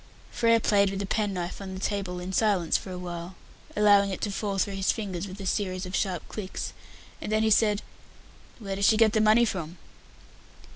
Frere played with a pen knife on the table in silence for a while, allowing it to fall through his fingers with a series of sharp clicks, and then he said, "Where does she get the money from?"